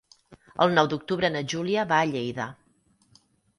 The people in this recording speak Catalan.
El nou d'octubre na Júlia va a Lleida.